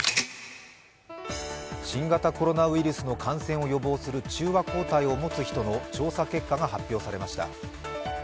新型コロナウイルスの感染を予防する中和抗体を持つ人の調査結果が発表されました。